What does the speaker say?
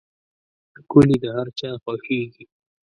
ښکلي د هر چا خوښېږي.